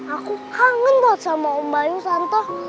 aku kangen banget sama om bayu tante